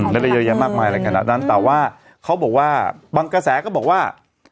ไม่ได้เยอะแยะมากมายอะไรขนาดนั้นแต่ว่าเขาบอกว่าบางกระแสก็บอกว่า